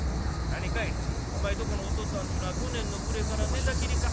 何かいなお前とこのお父っつぁんっちゅうのは去年の暮れから寝たきりか？」。